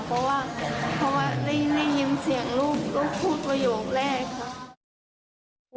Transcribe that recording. เพราะว่าได้ยินเสียงลูกลูกพูดประโยคแรกค่ะ